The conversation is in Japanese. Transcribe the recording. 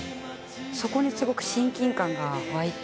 そこにすごく親近感が湧いて。